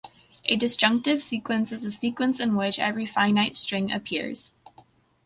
A disjunctive sequence is a sequence in which every finite string appears.